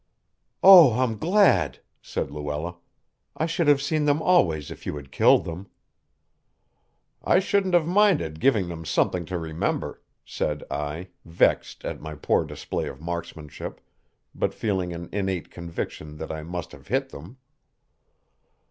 "Oh, I'm glad," said Luella. "I should have seen them always if you had killed them." "I shouldn't have minded giving them something to remember," said I, vexed at my poor display of marksmanship, but feeling an innate conviction that I must have hit them.